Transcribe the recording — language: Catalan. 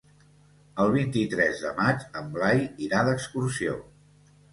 El vint-i-tres de maig en Blai irà d'excursió.